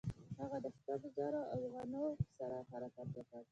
هغه د شپږو زرو اوغانانو سره حرکت وکړ.